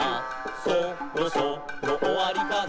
「そろそろおわりかな」